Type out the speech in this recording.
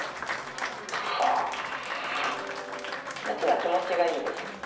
夏は気持ちがいいです。